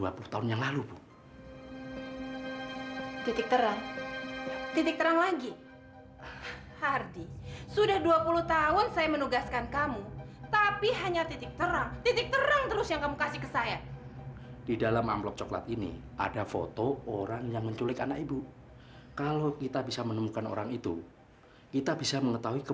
aku mau buktiin aku laku cinta sama kamu